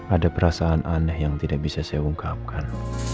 ada perasaan aneh yang tidak bisa saya ungkapkan